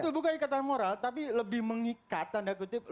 itu bukan ikatan moral tapi lebih mengikat tanda kutip